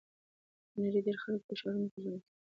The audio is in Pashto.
د نړۍ ډېری خلک په ښارونو کې ژوند کوي.